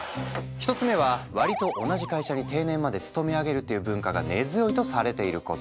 １つ目は割と同じ会社に定年まで勤め上げるという文化が根強いとされていること。